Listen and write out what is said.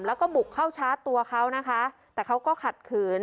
แล้วก็บุกเข้าชาร์จตัวเขานะคะแต่เขาก็ขัดขืน